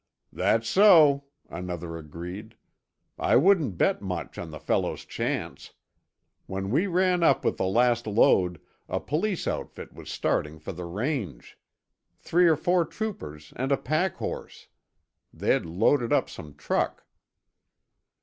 "That's so," another agreed. "I wouldn't bet much on the fellow's chance! When we ran up with the last load, a police outfit was starting for the range. Three or four troopers and a pack horse. They'd loaded up some truck."